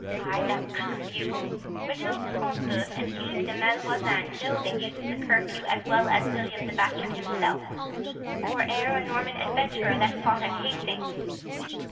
—Ay, the curfew;—Reginald Front de Bœuf and Philip de Malvoisin know the use of the curfew as well as William the Bastard himself, or e'er a Norman adventurer that fought at Hastings.